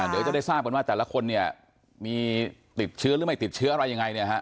เดี๋ยวจะได้ทราบกันว่าแต่ละคนเนี่ยมีติดเชื้อหรือไม่ติดเชื้ออะไรยังไงเนี่ยฮะ